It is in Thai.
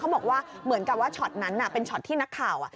บอกว่าเหมือนกับว่าช็อตนั้นเป็นช็อตที่นักข่าว